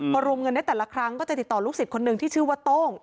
พอรวมเงินได้แต่ละครั้งก็จะติดต่อลูกศิษย์คนหนึ่งที่ชื่อว่าโต้ง